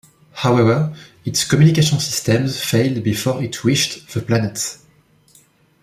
However, its communications systems failed before it reached the planet.